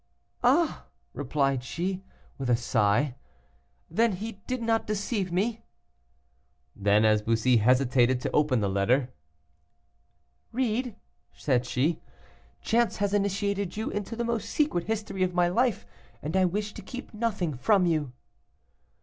"Ah!" replied she, with a sigh, "then he did not deceive me." Then, as Bussy hesitated to open the letter "Read," said she, "chance has initiated you into the most secret history of my life, and I wish to keep nothing from you."